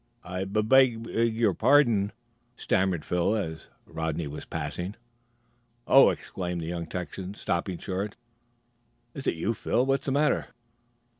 "I I bub beg your pardon," stammered Phil as Rodney was passing. "Oh!" exclaimed the young Texan, stopping short. "Is it you Phil? What's the matter?"